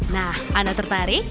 nah anda tertarik